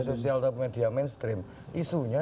sosial atau media mainstream isunya